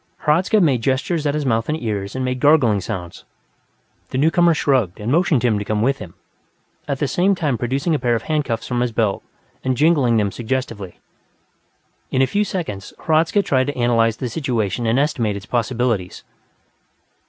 Hradzka made gestures at his mouth and ears and made gargling sounds; the newcomer shrugged and motioned him to come with him, at the same time producing a pair of handcuffs from his belt and jingling them suggestively. In a few seconds, Hradzka tried to analyze the situation and estimate its possibilities.